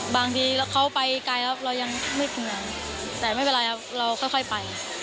บางทีเขาไปไกลแล้วเรายังมืดเหงื่อแต่ไม่เป็นไรครับเราค่อยไป